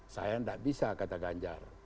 saya tidak bisa kata ganjar